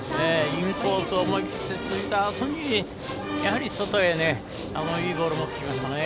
インコースを思い切って突いたあとにやはり外へ、いいボールを持ってきましたね。